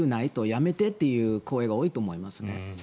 やめてという声が多いと思いますね。